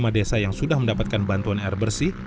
lima desa yang sudah mendapatkan bantuan air bersih